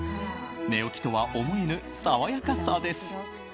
寝起きとは思えぬ爽やかさです。